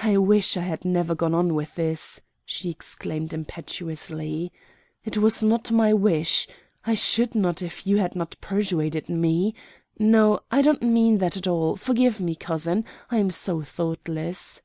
"I wish I had never gone on with this!" she exclaimed impetuously. "It was not my wish. I should not if you had not persuaded me No, I don't mean that at all. Forgive me, cousin, I am so thoughtless!"